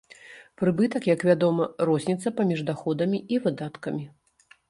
Прыбытак, як вядома, розніца паміж даходамі і выдаткамі.